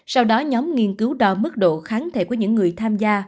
sau đó nhóm nghiên cứu đo mức độ kháng thể của những người tham gia